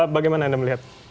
bagaimana anda melihat